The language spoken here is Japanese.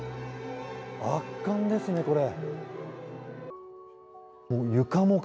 圧巻ですね、これ。